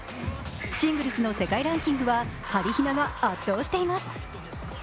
シングルスの世界ランキングははりひなが圧倒しています。